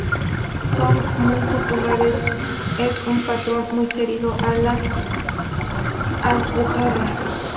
Son muy populares, es un patrón muy querido en la Alpujarra.